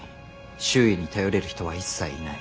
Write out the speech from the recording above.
周囲に頼れる人は一切いない。